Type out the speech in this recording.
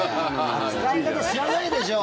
扱い方、知らないでしょ。